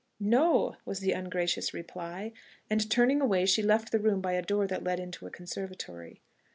"No," was the ungracious reply; and turning away, she left the room by a door that led into a conservatory.